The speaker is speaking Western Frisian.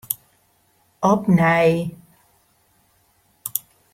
Opnij.